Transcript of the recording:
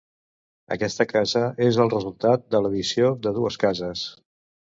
Aquesta casa és el resultat de l'addició de dues cases.